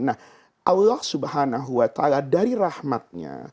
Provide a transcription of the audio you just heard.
nah allah subhanahu wa ta'ala dari rahmatnya